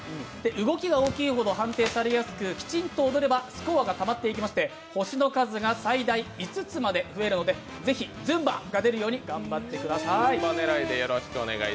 動きが大きいほど判定されやすく、きちんと踊ればスコアがたまっていきまして、星の数が最大５つまで増えるのでぜひＺＵＭＢＡが出るように頑張ってください。